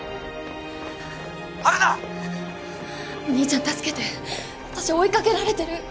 お兄ちゃん助けて私追いかけられてる。